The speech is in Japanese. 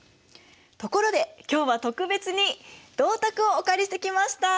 ところで今日は特別に銅鐸をお借りしてきました！